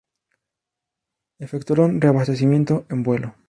Efectuaron reabastecimiento en vuelo.